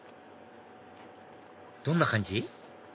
どんな感じ？